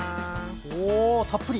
おたっぷり！